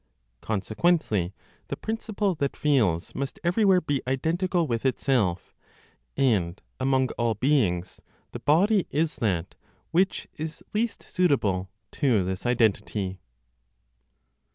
Consequently, the principle that feels must everywhere be identical with itself; and among all beings, the body is that which is least suitable to this identity.